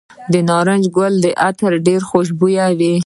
د نارنج ګل عطر ډیر خوشبويه وي.